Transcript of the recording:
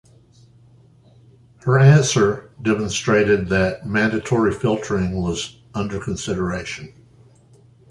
Her answer demonstrated that mandatory filtering was under consideration.